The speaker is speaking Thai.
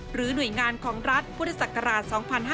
หรือหน่วยงานของรัฐพุทธศักราช๒๕๕๙